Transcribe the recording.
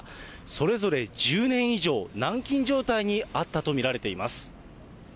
それぞれ１０年以上、軟禁状態にあったと見られています。